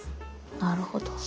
なるほど。